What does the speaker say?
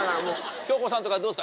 京子さんとかどうですか？